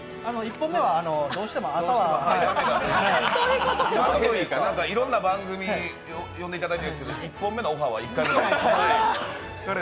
１本目は、どうしても朝はいろいろな番組に呼んでいただいたんですけど、１本目のオファーは１回もないです。